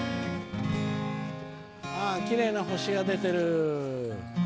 きれいな星が出てる。